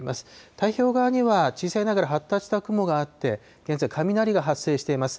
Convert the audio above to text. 太平洋側には小さいながら発達した雲があって、現在、雷が発生しています。